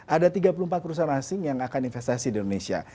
ada tiga puluh empat perusahaan asing yang akan investasi di indonesia